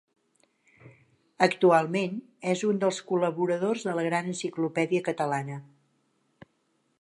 Actualment, és un dels col·laboradors de la Gran Enciclopèdia Catalana.